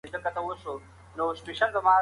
ایا دا کوټه په رښتیا ډېره تیاره او یخه ده؟